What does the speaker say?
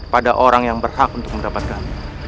pada orang yang berhak untuk mendapatkan